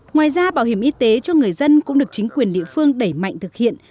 ngoài ra bảo hiểm y tế cho người dân cũng được chính quyền địa phương đẩy mạnh thực hiện